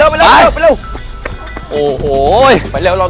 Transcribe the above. ถ้าไม่กินผักให้กินแค่กุ้ง